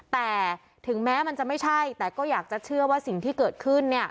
แต่ถึงแม้มันจะไม่ใช่แต่ก็อยากจะเชื่อว่าสิ่งที่เกิดขึ้น